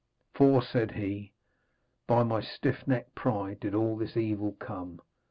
'For,' said he, 'by my stiffnecked pride did all this evil come.